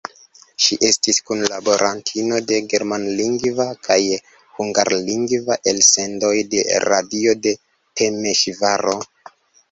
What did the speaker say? Ŝi estis kunlaborantino de germanlingva kaj hungarlingva elsendoj de radio de Temeŝvaro.